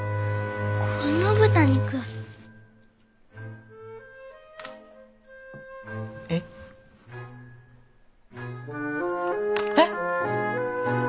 この豚肉。えっ？えっ？